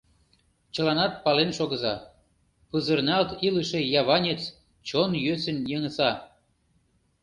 Чыланат пален шогыза: пызырналт илыше яванец чон йӧсын йыҥыса!..